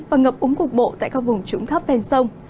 và ngập úng cục bộ tại các vùng trũng thấp ven sông